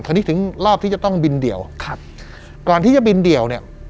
อันนี้ถึงรอบที่จะต้องบินเดี่ยวครับก่อนที่จะบินเดี่ยวเนี่ย